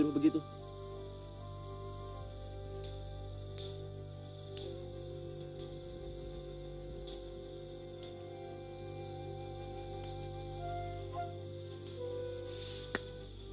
jangan balik ke kamar nggak bisa langsung meneruskan